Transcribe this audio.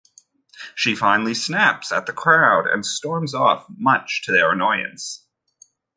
She finally snaps at the crowd and storms off, much to their annoyance.